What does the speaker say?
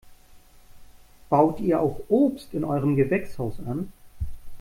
Baut ihr auch Obst in eurem Gewächshaus an?